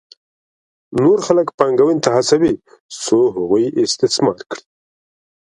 نور خلک پانګونې ته هڅوي څو هغوی استثمار کړي